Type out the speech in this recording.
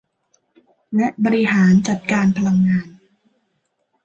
และบริหารจัดการพลังงาน